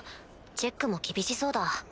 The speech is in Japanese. チェックも厳しそうだ。